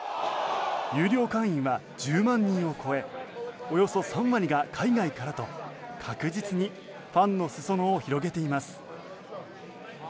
有料会員は１０万人を超えおよそ３割が海外からと確実にファンの裾野を広げています。